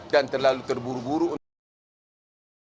dan terlalu terburu buru untuk menurut saya